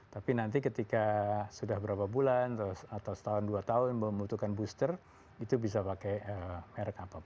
tapi nanti ketika sudah berapa bulan atau setahun dua tahun membutuhkan booster itu bisa pakai merek apapun